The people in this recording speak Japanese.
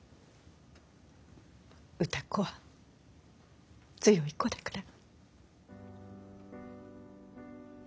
歌子は強い子だから。